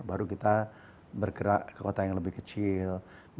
baru kita bergerak ke kota yang lebih kecil